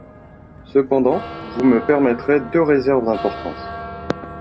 Cependant, vous me permettrez deux réserves d’importance.